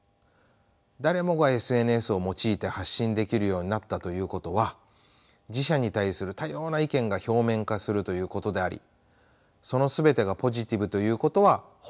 誰もがＳＮＳを用いて発信できるようになったということは自社に対する多様な意見が表面化するということでありその全てがポジティブということはほぼありえません。